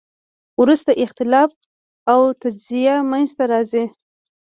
وروسته اختلاف او تجزیه منځ ته راځي.